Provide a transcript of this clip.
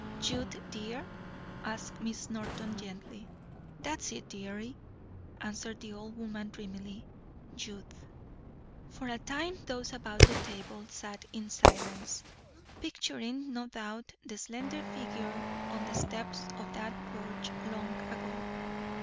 "Youth, dear?" asks Miss Norton gently. "That's it, dearie," answered the older woman dreamily. "Youth." For a time those about the table sat in silence, picturing no doubt the slender figure on the steps of that porch long ago.